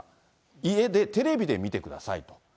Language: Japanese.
家でテレビで見てくださいと。